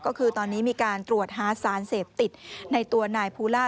ก็คือตอนนี้มีการตรวจหาสารเสพติดในตัวนายภูล่า